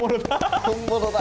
本物だ。